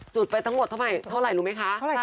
ไปทั้งหมดเท่าไหร่รู้ไหมคะ